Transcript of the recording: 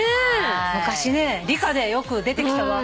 昔ね理科でよく出てきた。